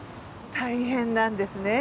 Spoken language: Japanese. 大変なんですね